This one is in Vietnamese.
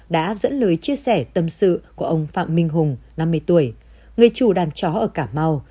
đã dẫn lời chia sẻ tâm sự của ông phạm minh hùng năm mươi tuổi người chủ đàn chó ở cà mau